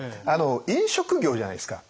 飲食業じゃないですか。